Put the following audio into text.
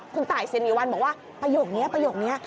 คุณต่ายเซียนมีวันบอกว่าประโยคนี้ประโยคนี้